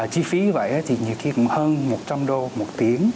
chi phí vậy thì nhiều khi cũng hơn một trăm linh đô một tiếng